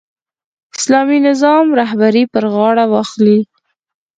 اسلامي نظام رهبري پر غاړه واخلي.